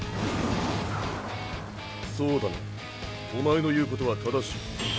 そうだなおまえの言うことは正しい。